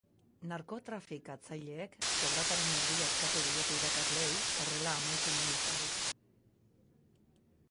Narkotrafikatzaileek soldataren erdia eskatu diete irakasleei horrela amaitu nahi ez badute.